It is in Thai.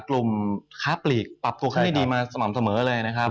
กลุ่มค้าปลีกปรับตัวขึ้นได้ดีมาสม่ำเสมอเลยนะครับ